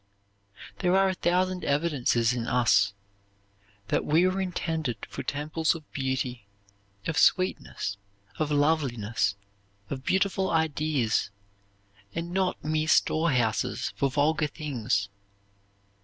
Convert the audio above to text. There are a thousand evidences in us that we were intended for temples of beauty, of sweetness, of loveliness, of beautiful ideas, and not mere storehouses for vulgar things.